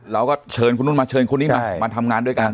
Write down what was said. เราก็เชิญคุณนุ่นมาเชิญคนนี้มามาทำงานด้วยกัน